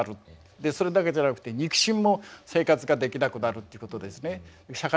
でそれだけじゃなくて肉親も生活ができなくなるってことですね。